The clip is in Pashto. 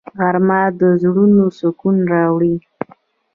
غرمه د زړونو سکون راوړي